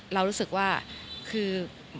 เรารู้สึกว่าคือ